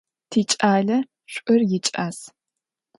Тикӏалэ шӏур икӏас.